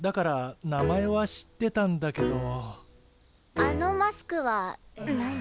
あのマスクは何？